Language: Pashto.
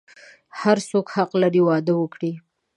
هر څوک حق لری واده وکړی